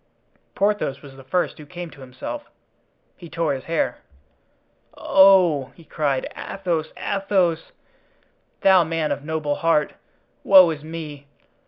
Porthos was the first who came to himself. He tore his hair. "Oh!" he cried, "Athos! Athos! thou man of noble heart; woe is me!